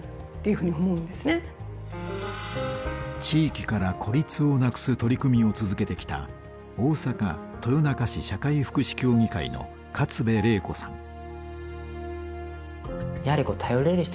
地域から孤立をなくす取り組みを続けてきた大阪・豊中市社会福祉協議会の勝部麗子さん。